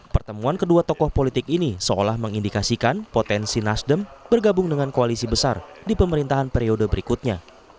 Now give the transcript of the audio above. pertemuan kedua tokoh politik ini seolah mengindikasikan potensi nasdem bergabung dengan koalisi besar di pemerintahan periode berikutnya